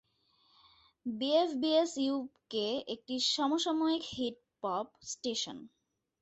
BFBS UK একটি সমসাময়িক hit 'pop' station.